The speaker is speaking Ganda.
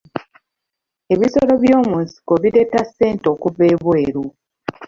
Ebisolo by'omu nsiko bireeta ssente okuva ebweru.